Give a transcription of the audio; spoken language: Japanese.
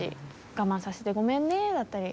「我慢させてごめんね」だったり。